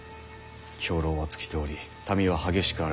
兵糧は尽きており民は激しくあらがう様子。